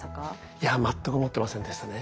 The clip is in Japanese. いや全く思ってませんでしたね。